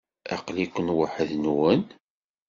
Aql-iken weḥd-nwen?